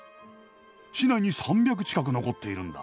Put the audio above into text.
市内に３００近く残っているんだ。